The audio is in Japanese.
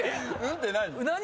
「ん」って何？